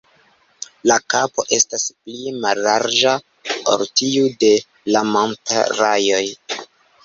La kapo estas pli mallarĝa ol tiu de la Manta-rajoj.